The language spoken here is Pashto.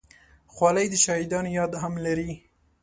خولۍ د شهیدانو یاد هم لري.